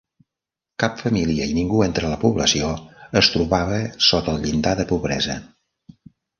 Cap família i ningú entre la població es trobava per sota del llindar de pobresa.